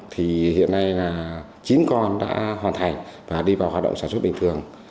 thì hiện nay là chín con đã hoàn thành và đi vào hoạt động sản xuất bình thường